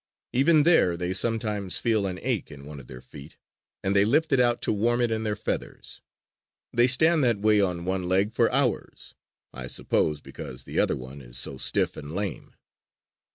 Even there they sometimes feel an ache in one of their feet; and they lift it out to warm it in their feathers. They stand that way on one leg for hours, I suppose because the other one is so stiff and lame.